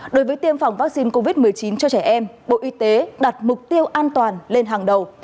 đối với tiêm phòng vaccine covid một mươi chín cho trẻ em bộ y tế đặt mục tiêu an toàn lên hàng đầu